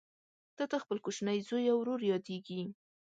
تاته خپل کوچنی زوی او ورور یادیږي